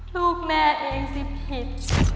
ลูกแม่เองสิผิด